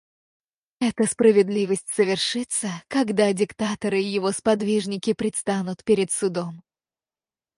Эта справедливость совершится, когда диктатор и его сподвижники предстанут перед судом.